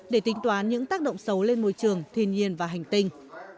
để tính toán những tác động xấu lên môi trường thiên nhiên và hành tinh